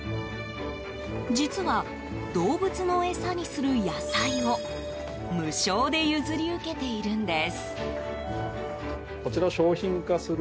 実は、動物の餌にする野菜を無償で譲り受けているんです。